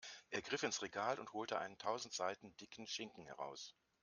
Er griff ins Regal und holte einen tausend Seiten dicken Schinken heraus.